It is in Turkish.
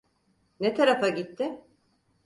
Ne tarafa gitti?